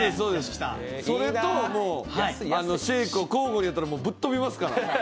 それと、シェークを交互に飲むとぶっ飛びますから。